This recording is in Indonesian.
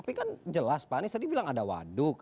tapi kan jelas pak anies tadi bilang ada waduk